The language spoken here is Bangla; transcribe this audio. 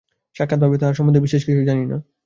সাক্ষাৎভাবে তাঁহার সম্বন্ধে বিশেষ কিছু জানি না।